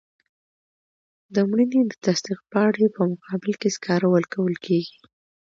د مړینې د تصدیق پاڼې په مقابل کې سکاره ورکول کیږي.